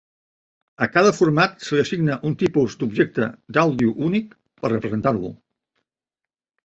A cada format se li assigna un tipus d'objecte d'àudio únic per representar-lo.